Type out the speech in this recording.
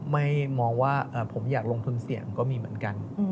มองว่าผมอยากลงทุนเสี่ยงก็มีเหมือนกัน